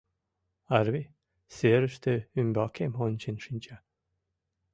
Арви серыште ӱмбакем ончен шинча.